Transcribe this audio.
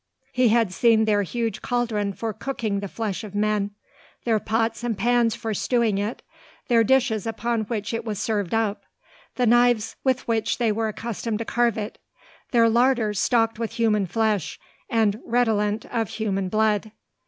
He had seen their huge caldron for cooking the flesh of men, their pots and pans for stewing it, their dishes upon which it was served up, the knives with which they were accustomed to carve it, their larders stocked with human flesh, and redolent of human blood!